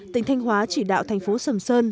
tỉnh thanh hóa chỉ đạo thành phố sầm sơn